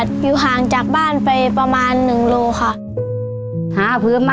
หนูก็เสียใจค่ะที่ไม่มีพ่อมีแม่เหมือนเพื่อนค่ะ